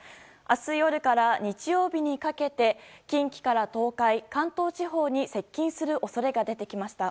明日夜から日曜日にかけて近畿から東海・関東地方に接近する恐れが出てきました。